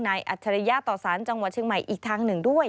นายอัชริยะต่อสารจังหวัดชึงใหม่อีกทั้งหนึ่งด้วย